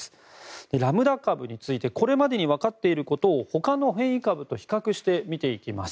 ラムダ株についてこれまでにわかっていることをほかの変異株と比較して見ていきます。